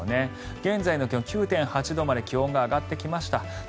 現在の気温、９．８度まで気温が上がってきました。